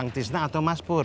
bang tisna atau mas pur